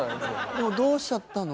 「どうしちゃったの」？